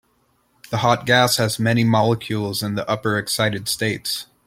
The hot gas has many molecules in the upper excited states.